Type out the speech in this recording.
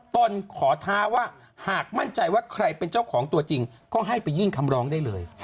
ตนขอท้าว่าหากมั่นใจว่าใครเป็นเจ้าของตัวจริงก็ให้ไปยื่นคำร้องได้เลย